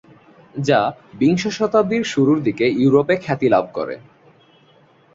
যা বিংশ শতাব্দীর শুরুর দিকে ইউরোপে খ্যাতি লাভ করে।